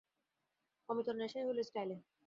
অমিতর নেশাই হল স্টাইলে।